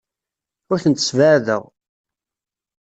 Ur tent-ssebɛadeɣ.